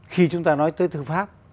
khi chúng ta nói tới thư pháp